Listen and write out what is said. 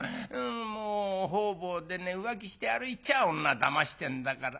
もう方々でね浮気して歩いちゃ女だましてんだから。